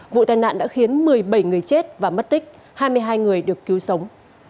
vụ tai nạn đã khiến một mươi bảy người chết và mất tích hai mươi hai người được cứu sống